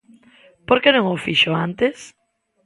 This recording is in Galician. Por que non o fixo antes?